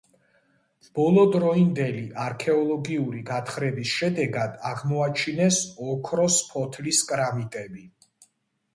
ბოლო დროინდელი არქეოლოგიური გათხრების შედეგად აღმოაჩინეს ოქროს ფოთლის კრამიტები.